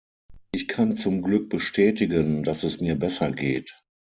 Ich kann zum Glück bestätigen, dass es mir besser geht.